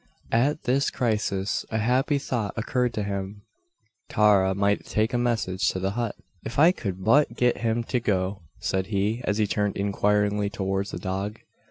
At this crisis a happy thought occurred to him. Tara might take a message to the hut! "If I could but get him to go," said he, as he turned inquiringly towards the dog.